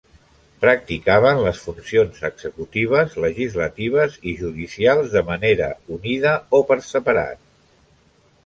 Practicaven les funcions executives, legislatives i judicials de manera unida o per separat.